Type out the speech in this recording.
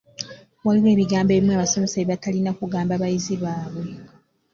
Waliwo ebigambo ebimu abasomesa bye batalina kugamba bayizi baabwe.